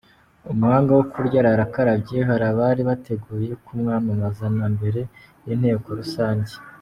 Umuhanga wo kurya arara akarabye, hari abari bateguye kumwamamaza na mbere y’Inteko rusange.